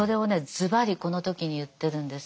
ズバリこの時に言ってるんです。